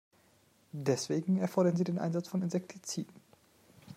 Deswegen erfordern sie den Einsatz von Insektiziden.